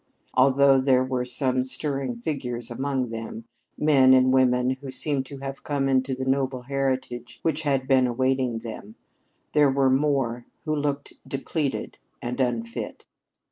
Although there were some stirring figures among them, men and women who seemed to have come into the noble heritage which had been awaiting them, there were more who looked depleted and unfit.